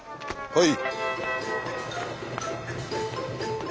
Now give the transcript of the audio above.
はい。